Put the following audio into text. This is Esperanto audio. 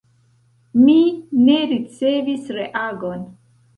Mi ne ricevis reagon.